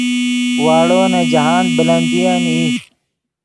واڑو نے جاہند بلندین ای